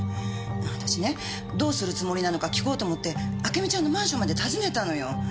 私ねどうするつもりなのか聞こうと思ってあけみちゃんのマンションまで訪ねたのよ。